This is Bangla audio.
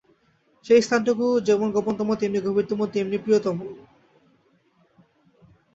সেই স্থানটুকু যেমন গোপনতম, তেমনি গভীরতম, তেমনি প্রিয়তম।